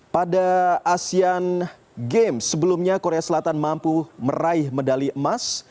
pada asean games sebelumnya korea selatan mampu meraih medali emas